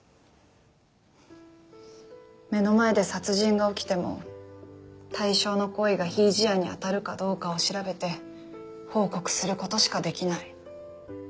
目の前で殺人が起きても対象の行為が非違事案にあたるかどうかを調べて報告する事しかできない。